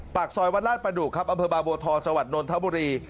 ปากซอยวัดราชประดูกครับอำเภอบางบัวทองจังหวัดนนทบุรี